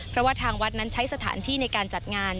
เพราะว่าทางวัดนั้นใช้สถานที่ในการจัดงาน